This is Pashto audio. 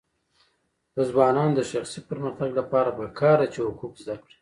د ځوانانو د شخصي پرمختګ لپاره پکار ده چې حقوق زده کړي.